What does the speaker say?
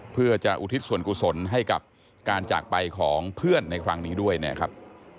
เพื่อจะอุทิศส่วนกุศลให้กับการจากไปของเพื่อนในครั้งนี้ด้วยนะครับ